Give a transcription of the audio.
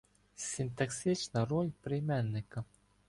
Синтаксична роль прийменника